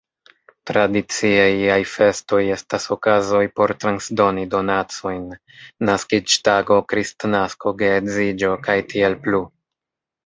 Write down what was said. Tradicie iaj festoj estas okazoj por transdoni donacojn: naskiĝtago, Kristnasko, geedziĝo, kaj tiel plu.